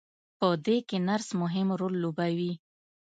په دې کې نرس مهم رول لوبوي.